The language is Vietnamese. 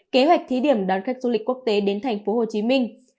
kế hoạch thí điểm đón khách du lịch quốc tế đến thành phố hồ chí minh